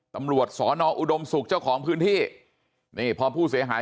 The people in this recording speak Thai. ตำรวจสอนออุดมศุกร์เจ้าของพื้นที่นี่พอผู้เสียหาย